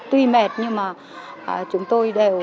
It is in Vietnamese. tuy mệt nhưng mà chúng tôi đều